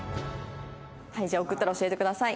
じゃあ送ったら教えてください。